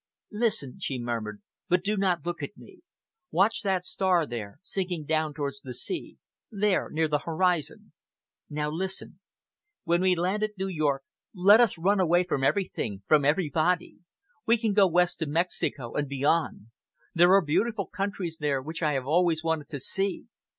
"Listen," she murmured, "but do not look at me. Watch that star there, sinking down towards the sea there near the horizon. Now listen. When we land at New York, let us run away from everything, from everybody. We can go west to Mexico and beyond! There are beautiful countries there which I have always wanted to see.